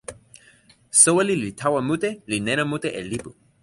soweli li tawa mute, li nena mute e lipu.